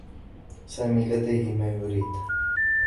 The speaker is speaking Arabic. سامي لديه ما يريد.